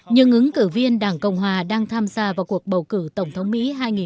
nhưng ứng cử viên đảng cộng hòa đang tham gia vào cuộc bầu cử tổng thống mỹ hai nghìn một mươi sáu